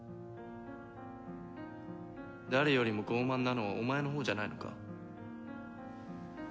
誰よりも傲慢なのはお前のほうじゃないのか？